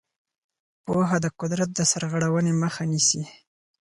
پوهه د قدرت د سرغړونې مخه نیسي.